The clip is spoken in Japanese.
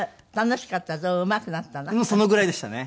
そのぐらいでしたね